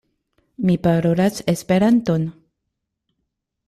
Mi parolas Esperanton.